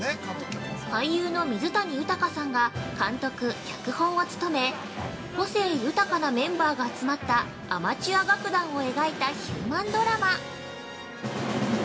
俳優の水谷豊さんが監督、脚本を務め個性豊かなメンバーが集まったアマチュア楽団を描いたヒューマンドラマ。